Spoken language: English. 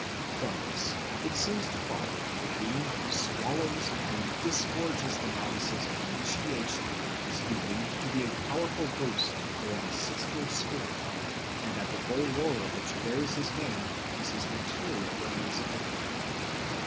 From this it seems to follow that the being who swallows and disgorges the novices at initiation is believed to be a powerful ghost or ancestral spirit, and that the bull roarer, which bears his name, is his material representative.